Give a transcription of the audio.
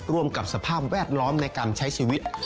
ร่วมกับสภาพแวดล้อมในการใช้ชีวิต